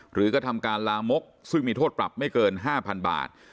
กระทำการลามกซึ่งมีโทษปรับไม่เกิน๕๐๐๐บาท